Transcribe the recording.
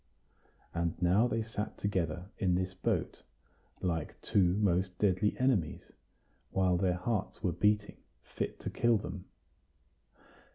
And now they sat together in this boat, like two most deadly enemies, while their hearts were beating fit to kill them.